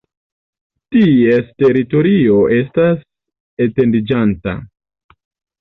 Ties teritorio estas etendiĝanta.